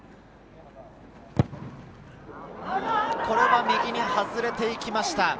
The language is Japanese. これは右に外れていきました。